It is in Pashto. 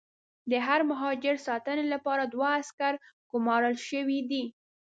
د هر مهاجر ساتنې لپاره دوه عسکر ګومارل شوي دي.